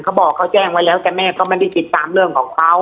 เขาบอกเขาแจ้งไว้แล้วแต่แม่ก็ไม่ได้ติดตามเรื่องของเขา